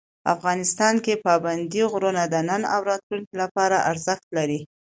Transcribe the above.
افغانستان کې پابندی غرونه د نن او راتلونکي لپاره ارزښت لري.